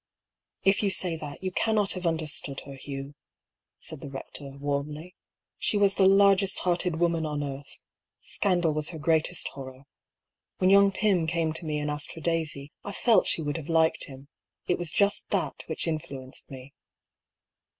" If you say that, you cannot have understood her, Hugh," said the rector, warmly. " She was the largest hearted woman on earth. Scandal was her greatest horror. When young Pym came to me and asked for Daisy, I felt she would have liked him. It was just that which influenced me."